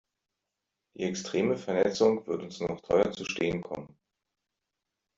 Die extreme Vernetzung wird uns noch teuer zu stehen kommen.